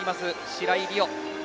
白井璃緒。